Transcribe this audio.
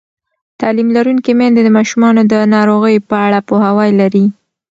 تعلیم لرونکې میندې د ماشومانو د ناروغۍ په اړه پوهاوی لري.